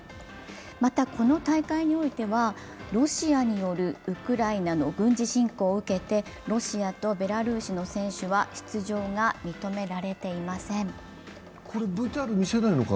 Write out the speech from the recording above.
またこの大会においてはロシアによるウクライナの軍事侵攻を受けてロシアとベラルーシの選手は出場が認められていません。